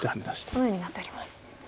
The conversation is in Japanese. このようになっております。